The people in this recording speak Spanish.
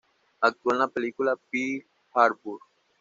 Actuó en la película Pearl Harbour.